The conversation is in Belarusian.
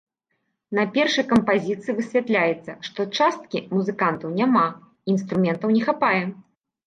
На першай кампазіцыі высвятляецца, што часткі музыкантаў няма, інструментаў не хапае.